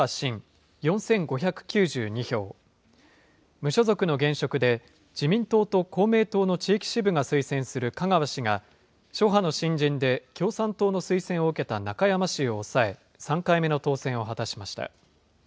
無所属の現職で、自民党と公明党の地域支部が推薦する香川氏が、諸派の新人で共産党の推薦を受けた中山氏を抑え、３回目の当選を果たしました。